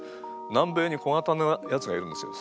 南米に小型のやつがいるんですよ。